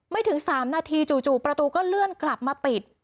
ถึง๓นาทีจู่ประตูก็เลื่อนกลับมาปิด